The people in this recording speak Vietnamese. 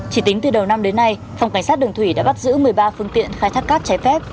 chỉ tính từ đầu năm đến nay phòng cảnh sát đường thủy đã bắt giữ một mươi ba phương tiện khai thác cát trái phép